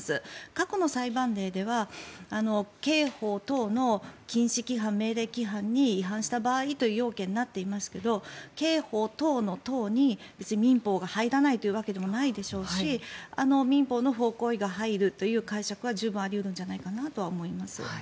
過去の裁判例では刑法等の禁止規範、命令規範に違反した場合という要件になっていますが刑法等の等に、別に民法が入らないわけでもないでしょうし民法の不法行為が入るという解釈は十分あり得るんじゃないかなと思います。